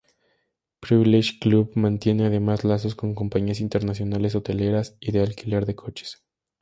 Privilege Club mantiene además lazos con compañías internacionales hoteleras y de alquiler de coches.